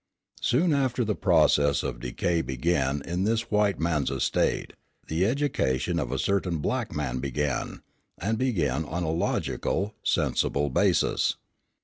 Soon after the process of decay began in this white man's estate, the education of a certain black man began, and began on a logical, sensible basis.